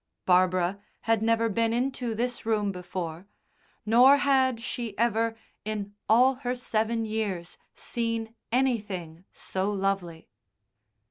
Barbara had never been into this room before, nor had she ever in all her seven years seen anything so lovely.